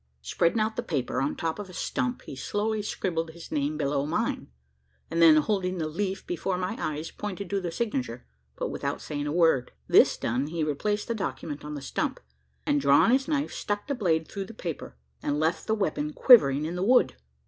Spreading out the paper on the top of a stump, he slowly scribbled his name below mine; and then, holding the leaf before my eyes, pointed to the signature but without saying a word. This done, he replaced the document on the stump; and drawing his knife, stuck the blade through the paper, and left the weapon quivering in the wood!